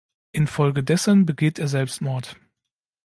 Infolgedessen begeht er Selbstmord.